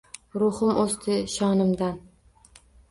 Ruhimo’sdi shonimdan.